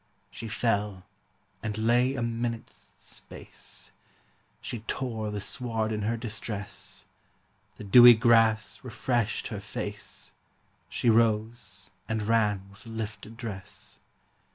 She fell, and lay a minute's space; She tore the sward in her distress; The dewy grass refreshed her face; She rose and ran with lifted dress.